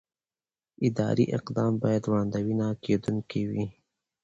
اداري اقدام باید وړاندوينه کېدونکی وي.